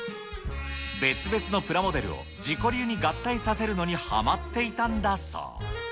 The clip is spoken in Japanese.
別々のプラモデルを自己流に合体させるのにはまっていたんだそう。